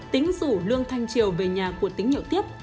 tính rủ lương thanh triều về nhà của tính nhậu tiếp